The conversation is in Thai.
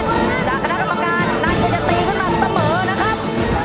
ขณะกรรมการจะตีขนาดเสมอนะครับ